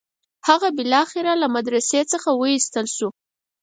هغه بالاخره له مدرسې څخه وایستل شو.